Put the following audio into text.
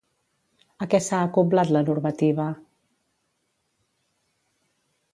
A què s'ha acoblat la normativa?